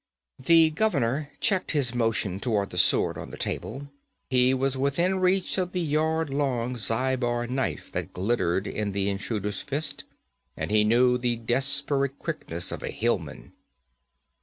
The governor checked his motion toward the sword on the table. He was within reach of the yard long Zhaibar knife that glittered in the intruder's fist, and he knew the desperate quickness of a hillman.